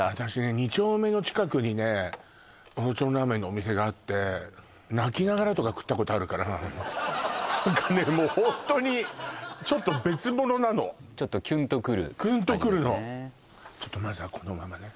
２丁目の近くにねオロチョンラーメンのお店があって泣きながらとか食ったことあるからなもうホントにちょっと別物なのちょっとキュンとくる味ですねキュンとくるのまずはこのままね